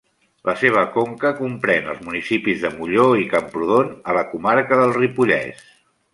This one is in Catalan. La seva conca comprèn els municipis de Molló i Camprodon, a la comarca del Ripollès.